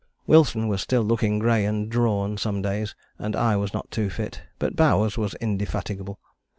Wilson was still looking grey and drawn some days, and I was not too fit, but Bowers was indefatigable.